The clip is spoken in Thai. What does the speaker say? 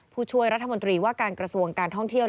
ผู้ช่วยรัฐมนตรีว่าการกระทรวงการท่องเที่ยว